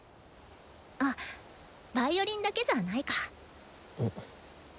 あっヴァイオリンだけじゃないか。